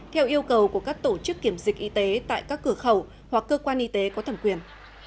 theo yêu cầu của các tổ chức kiểm dịch y tế tại các cửa khẩu hoặc cơ quan y tế có thẩm quyền